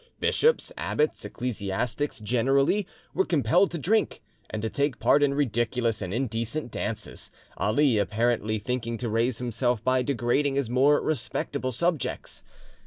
Bishops, abbots, ecclesiastics generally, were compelled to drink, and to take part in ridiculous and indecent dances, Ali apparently thinking to raise himself by degrading his more respectable subjects.